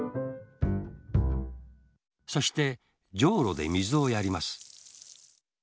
そしてじょうろでみずをやります。